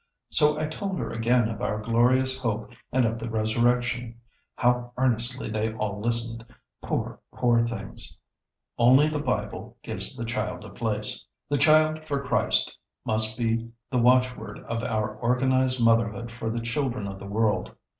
So I told her again of our glorious hope and of the resurrection. How earnestly they all listened! Poor, poor things!" [Sidenote: Only the Bible gives the child a place.] "The Child for Christ" must be the watchword of our "organized motherhood for the children of the world."